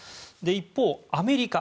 一方、アメリカ。